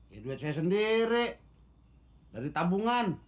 ya duit saya sendiri dari tabungan